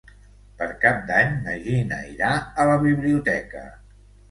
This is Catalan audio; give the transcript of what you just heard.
Per Cap d'Any na Gina irà a la biblioteca.